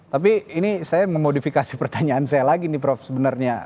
tapi ini saya memodifikasi pertanyaan saya lagi nih prof sebenarnya